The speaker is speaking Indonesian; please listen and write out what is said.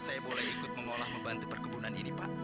saya boleh ikut mengolah membantu perkebunan ini pak